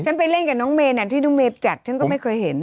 ฉันไปเล่นกับน้องเมนอ่ะที่ดูเมปจัดฉันก็ไม่เคยเห็น